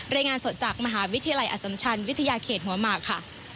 รายงานสดจากมหาวิทยาลัยอสัมชันวิทยาเขตหัวหมากค่ะ